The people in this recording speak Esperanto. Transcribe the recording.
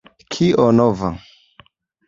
Kio nova?